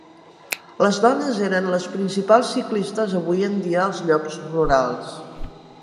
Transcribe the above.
Les dones eren les principals ciclistes avui en dia als llocs rurals.